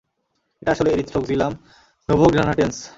এটা আসলে এরিথ্রোক্সিলাম নোভোগ্রানাটেন্স।